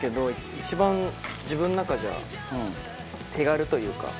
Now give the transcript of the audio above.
一番自分の中じゃ手軽というか。